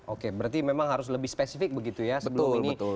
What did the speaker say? oke berarti memang harus lebih spesifik begitu ya sebelum ini